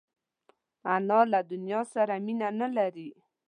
انا له دنیا سره مینه نه لري